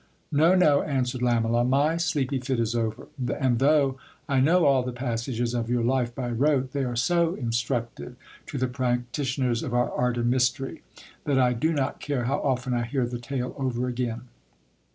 No, no, answered Lamela, my s.eepy fit is over; and though I know all the passages of your life by rote, they are so instructive to the practitioners of our art and mystery, that I do not care how often I hear the tale over again.